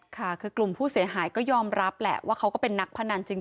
ค่ะคือกลุ่มผู้เสียหายก็ยอมรับแหละว่าเขาก็เป็นนักพนันจริง